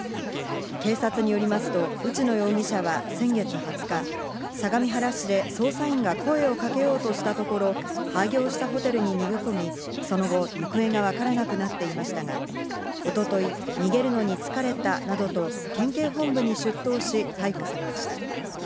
警察によりますと内野容疑者は先月２０日、相模原市で捜査員が声をかけようとしたところ、廃業したホテルに逃げ込み、その後、行方がわからなくなっていましたが、一昨日、逃げるのに疲れたなどと、県警本部に出頭し逮捕されました。